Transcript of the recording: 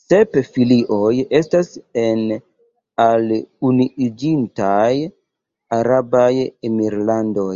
Sep filioj estas en al Unuiĝintaj Arabaj Emirlandoj.